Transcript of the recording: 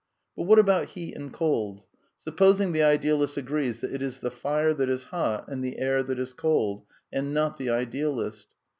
But what about heat and cold ? Supposing the idealist agrees that it is the fire that is hot and the air that is cold, and not the idealist.